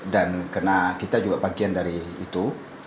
dan karena kita juga bagian dari itu